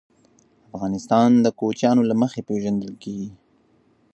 افغانستان د کوچیانو له مخې پېژندل کېږي.